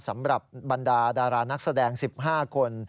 สำหรับบรรดาดารานักแสดง๑๕คน